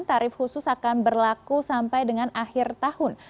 tarif khusus akan berlaku sampai dengan akhir tahun